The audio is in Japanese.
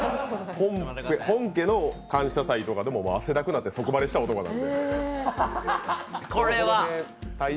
本家の「感謝祭」とかでも汗だくになって即バレしたから。